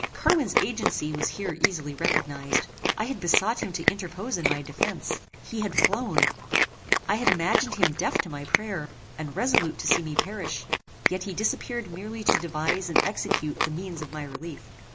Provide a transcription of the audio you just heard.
Carwin's agency was here easily recognized. I had besought him to interpose in my defence. He had flown. I had imagined him deaf to my prayer, and resolute to see me perish: yet he disappeared merely to devise and execute the means of my relief.